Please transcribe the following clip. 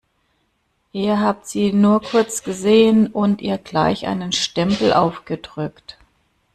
Ihr habt sie nur kurz gesehen und ihr gleich einen Stempel aufgedrückt.